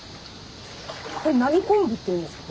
これ何昆布って言うんですか？